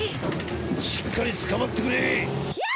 しっかり捕まってくれ！